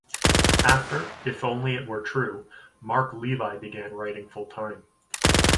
After If Only It Were True, Marc Levy began writing full-time.